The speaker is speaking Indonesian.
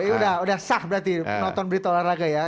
ini udah sah berarti nonton berita olahraga ya